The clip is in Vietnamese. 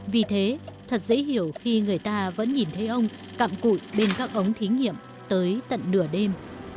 vì thế thật dễ hiểu khi người ta vẫn nhìn thấy ông cặm cụi bên các ống thí nghiệm tới tận nửa đêm